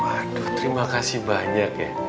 waduh terima kasih banyak ya